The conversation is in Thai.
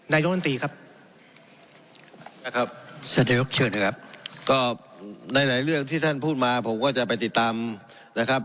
ในหลายเรื่องที่ท่านพูดมาผมก็จะไปติดตามนะครับ